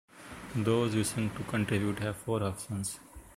Those wishing to contribute have four options.